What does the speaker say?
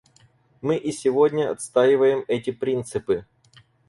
Мы и сегодня отстаиваем эти принципы.